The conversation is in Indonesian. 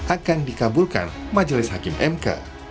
akan dikabulkan majelis hakim mk